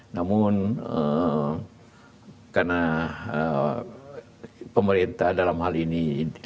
namun karena pemerintah dalam hal ini